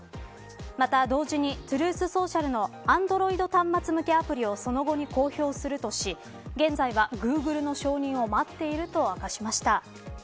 また同時にトゥルース・ソーシャルのアンドロイド端末向けアプリをその後に公表するとし現在はグーグルの承認を待っていると明かしました。